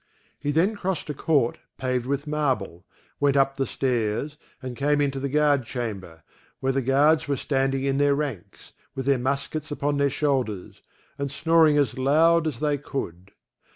He then crossed a court paved with marble, went up the stairs, and came into the guard chamber, where the guards were standing in their ranks, with their muskets upon their shoulders, and snoring as loud as they could.